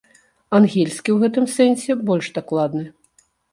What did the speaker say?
Ангельскі ў гэтым сэнсе больш дакладны.